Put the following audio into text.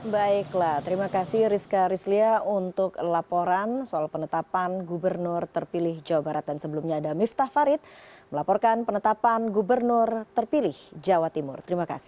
baiklah terima kasih rizka rizlia untuk laporan soal penetapan gubernur terpilih jawa barat dan sebelumnya ada miftah farid melaporkan penetapan gubernur terpilih jawa timur